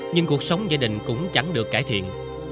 nhưng cuộc sống gia đình cũng chẳng được cải thiện